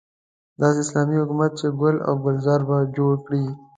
داسې اسلامي حکومت چې ګل او ګلزار به جوړ کړي.